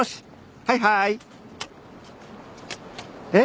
はいはーい。えっ？